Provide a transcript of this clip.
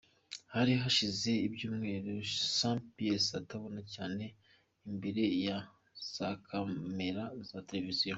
Hari hashize ibyumweru Sean Spicer ataboneka cyane imbere ya za kamera za televiziyo.